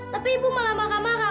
tapi ibu malah marah marah